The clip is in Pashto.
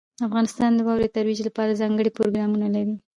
افغانستان د واورې د ترویج لپاره ځانګړي پروګرامونه لري.